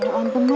ya ampun lu